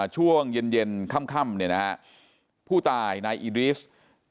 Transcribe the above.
ช่วงเย็นค่ำผู้ตายนายอิดริส